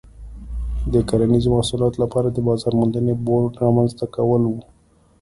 د کرنیزو محصولاتو لپاره د بازار موندنې بورډ رامنځته کول و.